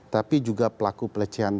tapi juga pelaku pelecehan